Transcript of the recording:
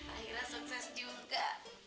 akhirnya sukses juga